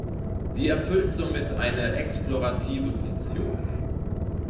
Sie erfüllt somit eine explorative Funktion.